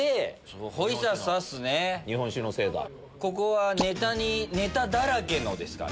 ここは「ネタだらけの」ですから。